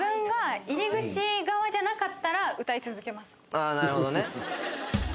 あなるほどねと